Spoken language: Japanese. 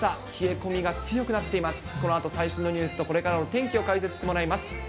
このあと、最新のニュースとこれからの天気を解説してもらいます。